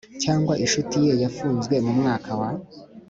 cyangwa incuti ye yafunzwe Mu mwaka wa